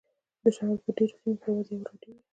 د شمال په ډیرو سیمو کې یوازې یوه راډیو وي